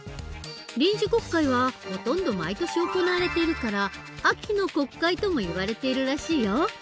臨時国会はほとんど毎年行われているから「秋の国会」ともいわれているらしいよ。